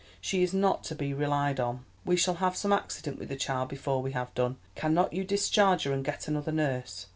She is not to be relied on; we shall have some accident with the child before we have done. Cannot you discharge her and get another nurse?"